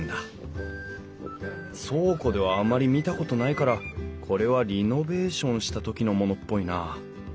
倉庫ではあまり見たことないからこれはリノベーションした時のものっぽいな。